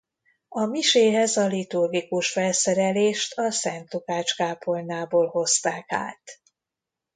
A miséhez a liturgikus felszerelést a Szent Lukács kápolnából hozták át.